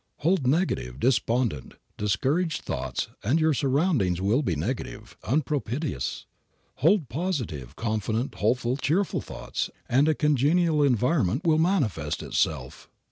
Hold negative, despondent, discouraged thoughts and your surroundings will be negative, unpropitious. Hold positive, confident, hopeful, cheerful thoughts and a congenial environment will manifest itself.